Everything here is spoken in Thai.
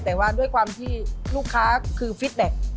แต่ว่าด้วยความที่ลูกค้าคือฟิตแบ็ค